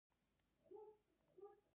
مادي کلتور له ټکنالوژي سره تړلی دی.